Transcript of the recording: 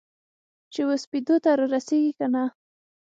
چې وسپېدو ته رارسیږې کنه؟